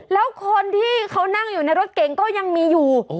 แล้วคนที่เขานั่งอยู่ในรถเก๋งก็ยังมีอยู่